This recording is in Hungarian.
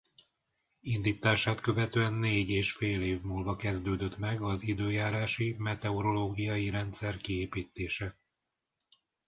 Indítását követőn négy és fél év múlva kezdődött meg az időjárási-meteorológiai rendszer kiépítése.